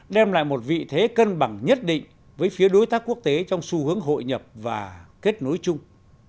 đem lại một vị thế cân bằng nhất định với phía đối tác quốc tế trong xu hướng hội nhập và kết nối chung